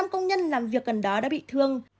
năm công nhân làm việc gần đó đã bị thương